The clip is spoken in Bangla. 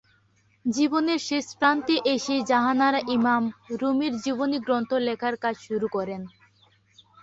জীবনের শেষ প্রান্তে এসে জাহানারা ইমাম রুমীর জীবনীগ্রন্থ লেখার কাজ শুরু করেন।